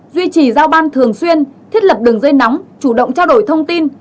duy trì giao ban thường xuyên thiết lập đường dây nóng chủ động trao đổi thông tin